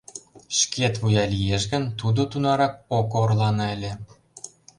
Шкет вуя лиеш гын, тудо тунарак ок орлане ыле.